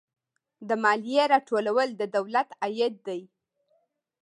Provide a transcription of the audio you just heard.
د مالیې راټولول د دولت عاید دی